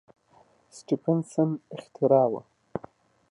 سټېفنسن اختراع وه.